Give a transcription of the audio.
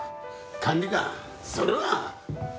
管理官それは。